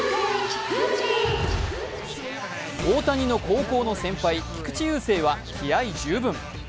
大谷の高校の先輩・菊池雄星は気合い十分。